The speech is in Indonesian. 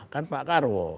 kan pak karwo